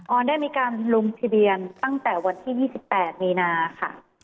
ออนได้มีการลงทะเบียนตั้งแต่วันที่๒๘มีนาค่ะ